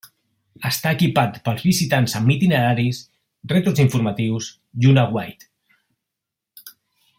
Està equipat pels visitants amb itineraris, rètols informatius i un aguait.